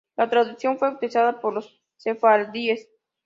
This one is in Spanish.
La traducción fue utilizada por los sefardíes.